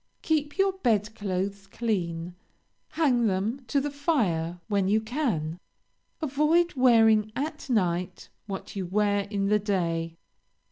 Keep your bed clothes clean; hang them to the fire when you can. Avoid wearing at night what you wear in the day.